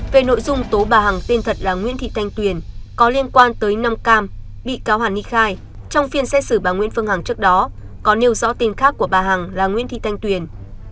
về nội dung tố bà hằng tên thật là nguyễn thị thanh tuyền có liên quan tới năm cam bị cáo hàn ni khai trong phiên xét xử bà nguyễn phương hằng trước đó có nêu rõ tên khác của bà hằng là nguyễn thị thanh tuyền